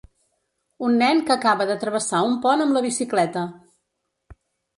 Un nen que acaba de travessar un pont amb la bicicleta.